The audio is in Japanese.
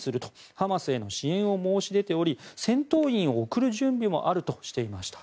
ハマスへの支援を申し出ており戦闘員を送る準備もあるとしていました。